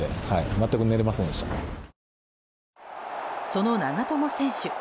その長友選手。